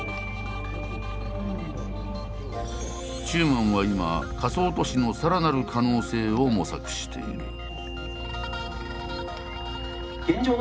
中馬は今仮想都市のさらなる可能性を模索している。